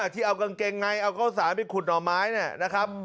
ที่เอากางเกงในเอาข้าวสารไปขุดหน่อไม้เนี่ยนะครับ